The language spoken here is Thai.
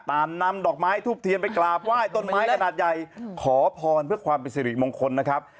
นำดอกไม้ทูบเทียนไปกราบไหว้ต้นไม้ขนาดใหญ่ขอพรเพื่อความเป็นสิริมงคลนะครับ